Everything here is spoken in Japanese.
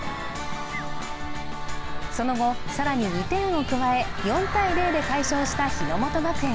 その後、更に２点を加え、４−０で快勝した日ノ本学園。